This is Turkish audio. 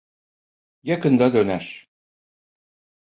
Yakında döner.